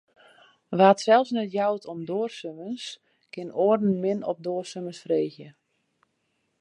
Wa't sels net jout om duorsumens, kin oaren min op duorsumens fergje.